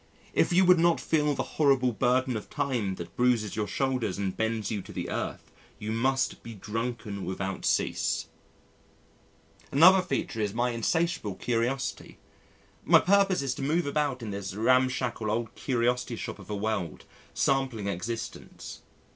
If you would not feel the horrible burden of time that bruises your shoulders and bends you to the earth, you must be drunken without cease." Another feature is my insatiable curiosity. My purpose is to move about in this ramshackle, old curiosity shop of a world sampling existence.